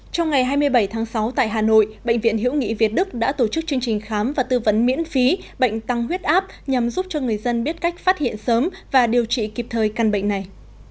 trong ngày hai mươi bảy tháng sáu tại hà nội bệnh viện hiễu nghị việt đức đã tổ chức chương trình khám và tư vấn miễn phí bệnh tăng huyết áp nhằm giúp cho người dân biết cách phát hiện sớm và điều trị kịp thời căn bệnh này